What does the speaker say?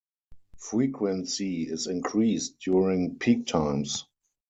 Frequency is increased during peak times.